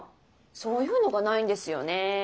そういうのがないんですよねー。